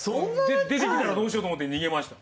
出てきたらどうしようって逃げました。